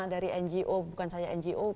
dari ngo bukan saya ngo